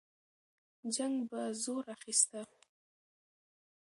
جنګ به زور اخیسته.